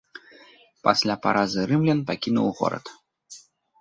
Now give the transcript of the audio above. Пасля паразы рымлян пакінуў горад.